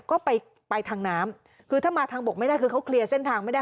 ก็ไปไปทางน้ำคือถ้ามาทางบกไม่ได้คือเขาเคลียร์เส้นทางไม่ได้